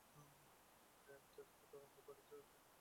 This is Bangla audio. আর আমি তাদেরকে তরঙ্গ-তাড়িত আবর্জনায় পরিণত করে দিলাম।